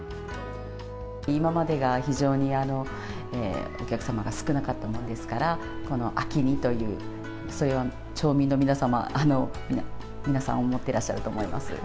今までが非常にお客様が少なかったものですから、この秋にという、それを町民の皆さん、思ってらっしゃると思います。